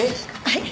はい。